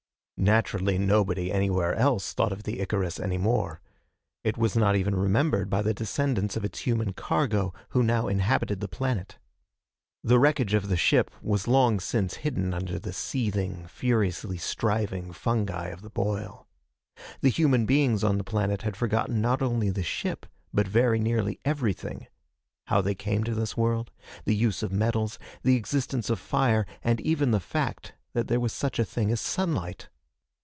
Naturally, nobody anywhere else thought of the Icarus any more. It was not even remembered by the descendants of its human cargo, who now inhabited the planet. The wreckage of the ship was long since hidden under the seething, furiously striving fungi of the boil. The human beings on the planet had forgotten not only the ship but very nearly everything how they came to this world, the use of metals, the existence of fire, and even the fact that there was such a thing as sunlight.